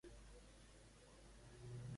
D'on va sortir, Tsukuyomi?